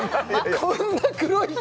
こんな黒い人！